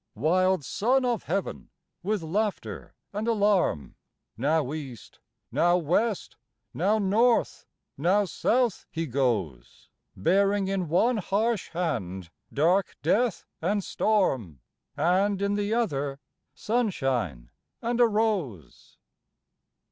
Wild son of Heav'n, with laughter and alarm, Now East, now West, now North, now South he goes, Bearing in one harsh hand dark death and storm, And in the other, sunshine and a rose.